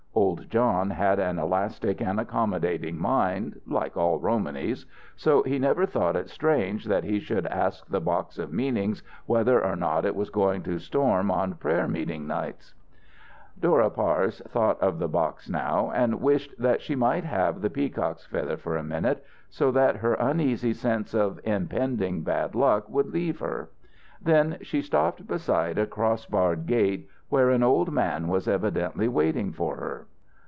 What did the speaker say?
Old John had an elastic and accommodating mind, like all Romanys, so he never thought it strange that he should ask the "box of meanings" whether or not it was going to storm on prayer meeting nights. Dora Parse thought of the box now, and wished that she might have the peacock's feather for a minute, so that her uneasy sense of impending bad luck would leave her. Then she stopped beside a cross barred gate where an old man was evidently waiting for her.